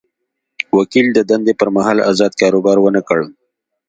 وکیل د دندې پر مهال ازاد کاروبار ونه کړي.